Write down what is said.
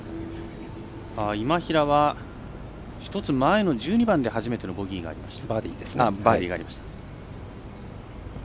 今平は、１つ前の１２番で初めてのバーディーがありました。